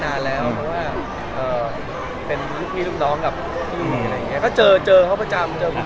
ถ้าถ้าเกิดหาคุณถามว่าดาวท์กลัวโฟโมชันไหมคะ